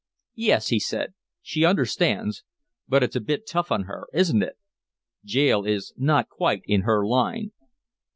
"Yes," he said, "she understands. But it's a bit tough on her, isn't it? Jail is not quite in her line."